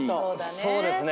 そうですね。